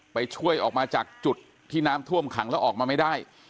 ไปช่วยออกมาจากจุดที่น้ำท่วมขังแล้วออกมาไม่ได้